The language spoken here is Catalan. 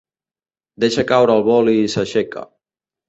Deixa caure el boli i s'aixeca.